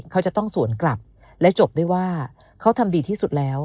เขาจะต้องสวนกลับและจบได้ว่าเขาทำดีที่สุดแล้ว